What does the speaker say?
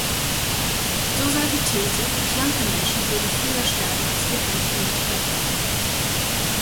So sei die These, schlanke Menschen würden früher sterben als Dicke, nicht haltbar.